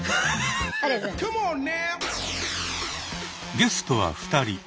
ゲストは２人。